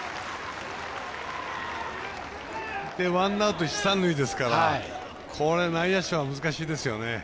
ワンアウト一、三塁ですからこれ、内野手は難しいですよね。